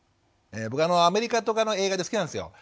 僕アメリカとかの映画で好きなんですよ。